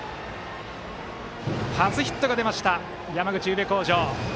初ヒットが出ました山口・宇部鴻城。